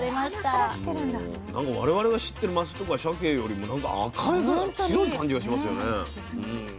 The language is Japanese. もうなんか我々が知ってるマスとかシャケよりもなんか赤いカラーが強い感じがしますよね。